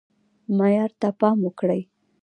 معیار ته پام وکړئ